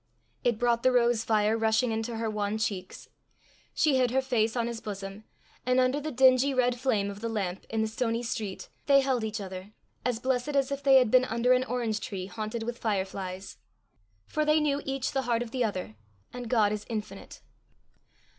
It brought the rose fire rushing into her wan cheeks; she hid her face on his bosom; and, under the dingy red flame of the lamp in the stony street, they held each other, as blessed as if they had been under an orange tree haunted with fire flies. For they knew each the heart of the other, and God is infinite.